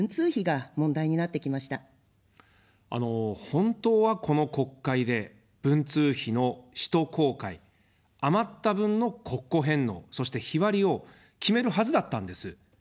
本当はこの国会で文通費の使途公開、余った分の国庫返納、そして日割りを決めるはずだったんです。